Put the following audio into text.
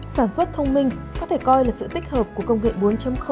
sản xuất thông minh có thể coi là sự tích hợp của công nghệ bốn